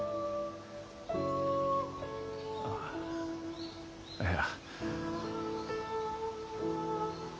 ああいや。